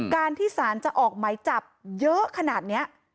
การที่สารจะออกไหมจับเยอะขนาดนี้